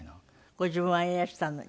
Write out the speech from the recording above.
ご自分はいらしたのに？